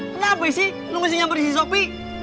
kenapa sih lu ngesin nyamperin si sopi